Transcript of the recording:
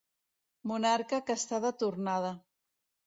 Monarca que està de tornada.